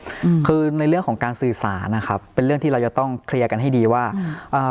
อืมคือในเรื่องของการสื่อสารนะครับเป็นเรื่องที่เราจะต้องเคลียร์กันให้ดีว่าเอ่อ